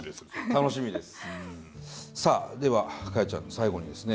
楽しみです。